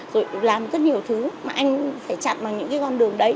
rồi làm rất nhiều thứ mà anh phải chặt vào những con đường đấy